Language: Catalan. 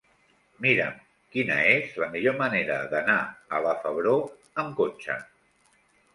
Mira'm quina és la millor manera d'anar a la Febró amb cotxe.